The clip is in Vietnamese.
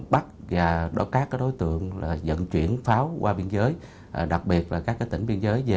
bắt các đối tượng dẫn chuyển pháo qua biên giới đặc biệt là các tỉnh biên giới